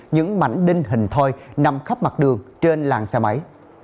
những mảnh đinh hình thoi nằm khắp mặt đường trên làng xe máy